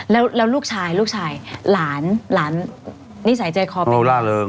แล้วลูกชายลูกชายหลานหลานนิสัยใจคอเป็นดูล่าเริง